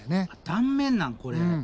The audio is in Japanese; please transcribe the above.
断面なんこれ！？